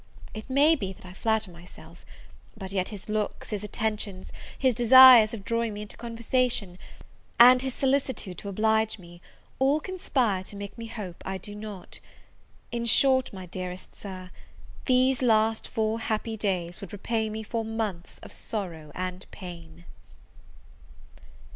It may be that I flatter myself; but yet his looks, his attentions, his desire of drawing me into conversation, and his solicitude to oblige me, all conspire to make me hope I do not. In short, my dearest Sir, these last four happy days would repay me for months of sorrow and pain!